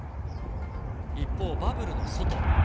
一方、バブルの外。